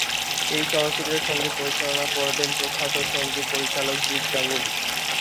এই চলচ্চিত্রের সংগীত পরিচালনা করবেন প্রখ্যাত সংগীত পরিচালক জিৎ গাঙ্গুলী।